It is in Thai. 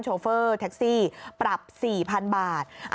โฟเฟอร์แท็กซี่ปรับ๔๐๐๐บาท